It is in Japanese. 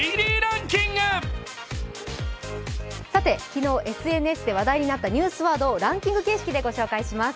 昨日、ＳＮＳで話題になったニュースワードをランキング形式でご紹介します。